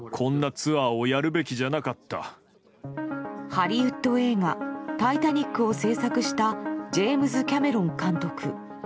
ハリウッド映画「タイタニック」を制作したジェームズ・キャメロン監督。